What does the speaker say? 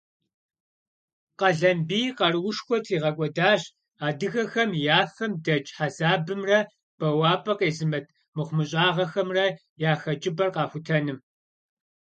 Къалэмбий къаруушхуэ тригъэкӀуэдащ адыгэхэм я фэм дэкӀ хьэзабымрэ бэуапӀэ къезымыт мыхъумыщӀагъэхэмрэ я хэкӀыпӀэр къэхутэным.